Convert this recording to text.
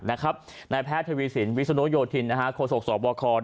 นายแพทย์เทวีสินวิสุโนโยธินโคศกศพค